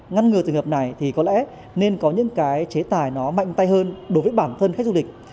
ngăn ngừa trường hợp này thì có lẽ nên có những cái chế tài nó mạnh tay hơn đối với bản thân khách du lịch